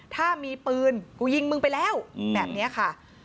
ถ้ามีปืนกูยิงมึงไปแล้วแบบนี้ค่ะ